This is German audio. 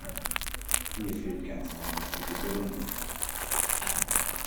Hier fehlt ganz einfach die Begründung.